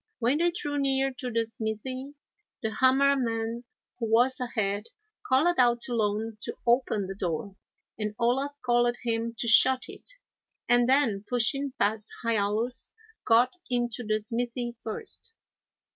When they drew near to the smithy, the Hammer man, who was ahead, called out to Loan to open the door, and Olaf called to him to shut it, and then, pushing past Hiallus, got into the smithy first.